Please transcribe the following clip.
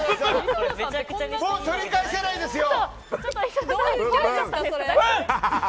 もう取り返せないですよ！